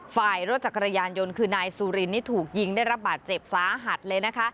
ฝ่ายรถจักรยานยนต์คือนายสุรินนี่ถูกยิงได้รับบาดเจ็บสาหัสเลยนะคะ